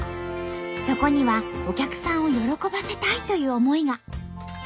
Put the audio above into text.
そこにはお客さんを喜ばせたいという思いが。